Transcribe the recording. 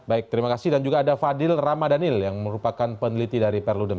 baik terima kasih dan juga ada fadil ramadhanil yang merupakan peneliti dari perludem